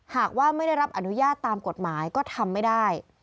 หากว่าไม่ได้รับอนุญาตตามกฎหมายก็ทำไม่ได้